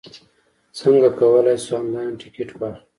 څنګه کولای شو، انلاین ټکټ واخلو؟